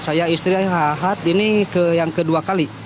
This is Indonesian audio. saya istirahat ini yang kedua kali